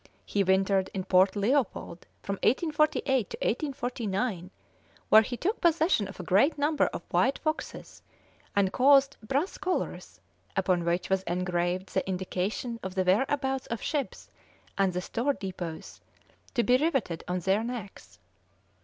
He wintered in Port Leopold from 1848 to 1849, where he took possession of a great number of white foxes, and caused brass collars, upon which was engraved the indication of the whereabouts of ships and the store depots, to be riveted on their necks.